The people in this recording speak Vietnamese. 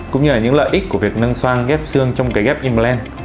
cũng như là những lợi ích của việc nâng xoang ghép xương trong cái ghép imbalans